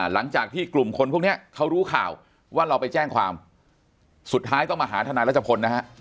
หลังจากที่กลุ่มคนพวกนี้เขารู้ข่าวว่าเราไปแจ้งความสุดท้ายต้องมาหาทนายรัชพลนะฮะ